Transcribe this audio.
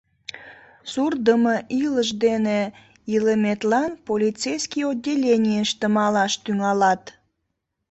— Суртдымо илыш дене илыметлан полицейский отделенийыште малаш тӱҥалат.